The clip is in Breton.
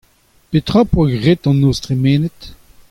Petra ho poa graet an noz tremenet ?